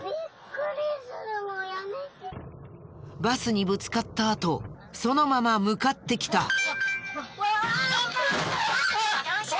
バスにぶつかったあとそのまま向かってきた。